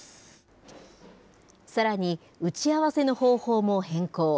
さらに、打ち合わせの方法も変更。